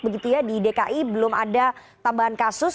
begitu ya di dki belum ada tambahan kasus